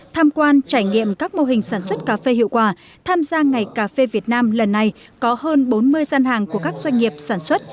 tham quan trải nghiệm các mô hình sản xuất cà phê hiệu quả tham gia ngày cà phê việt nam lần này có hơn bốn mươi gian hàng của các doanh nghiệp sản xuất